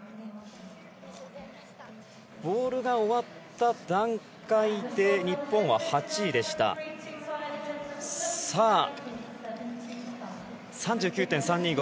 ボールが終わった段階で日本は８位でした。３９．３２５。